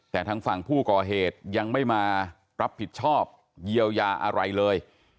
แต่ทางฝั่งผู้ก่อเหตุยังไม่มารับผิดชอบเยียวยาอะไรเลย